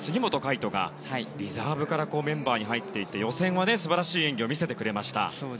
誉斗がリザーブからメンバーに入っていって予選は素晴らしい演技を見せてくれました。